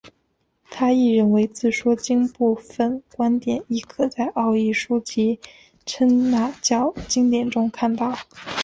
他亦认为自说经部份观点亦可在奥义书及耆那教经典中见到。